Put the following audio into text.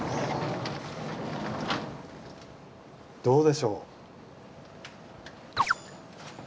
どうでしょう？